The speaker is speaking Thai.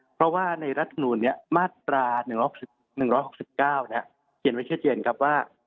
เพราะว่าในรัฐสุนูลเนี่ยมาตระ๑๖๙นะเกี่ยวกับว่า